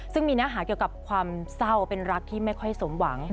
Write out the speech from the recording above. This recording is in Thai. ซึ่งมีเนื้อหาเกี่ยวกับความเศร้าเป็นรักที่ไม่ค่อยสมหวัง